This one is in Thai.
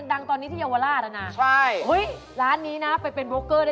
ของกินเยอะ